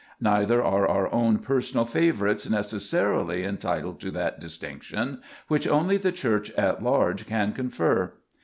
Neither are our own personal favorites necessarily en titled to that distinction, which only the Church at large can confer.